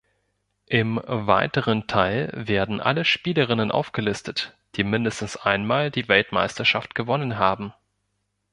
Im weiteren Teil werden alle Spielerinnen aufgelistet, die mindestens einmal die Weltmeisterschaft gewonnen haben.